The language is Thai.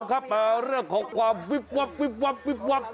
อ๋อครับเรื่องของความวิปวับ